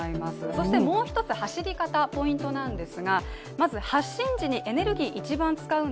そして、もう一つ走り方、ポイントです。